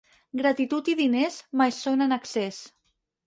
Gratitud i diners mai són en excés.